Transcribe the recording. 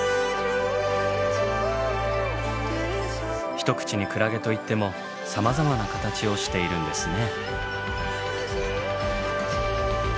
一口にクラゲといってもさまざまな形をしているんですね。